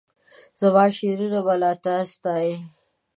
زماشعرونه به لا تا ستایي